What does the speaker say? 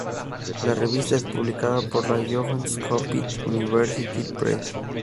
La revista es publicada por la Johns Hopkins University Press.